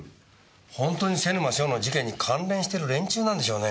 ホントに瀬沼翔の事件に関連してる連中なんでしょうね？